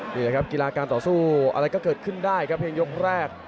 นี่แหละครับกีฬาการต่อสู้อะไรก็เกิดขึ้นได้ครับเพลงยกแรก